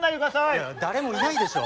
いや誰もいないでしょ。